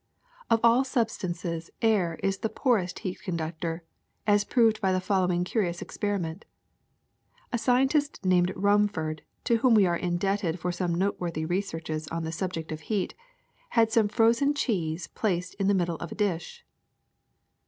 *^0f all substances air is the poorest heat conduc tor, as proved by the following curious experiment. A scientist named Rumford, to whom we are in debted for some noteworthy researches on the sub ject of heat, had some frozen cheese placed in the middle of a dish.